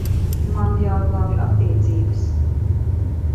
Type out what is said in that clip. Man jāglābj attiecības.